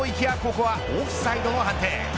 ここはオフサイドの判定。